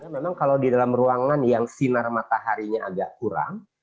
memang kalau di dalam ruangan yang sinar mataharinya agak kurang